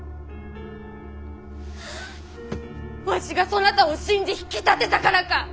わしがそなたを信じ引き立てたからか！？